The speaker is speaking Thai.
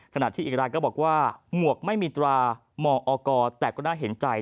ขณะที่อีกรายก็บอกว่าหมวกไม่มีตรามองออกแต่ก็น่าเห็นใจ